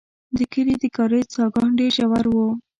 د کلي د کاریز څاګان ډېر ژور وو.